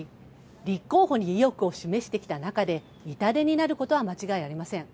立候補に意欲を示してきた中で痛手になることは間違いありません。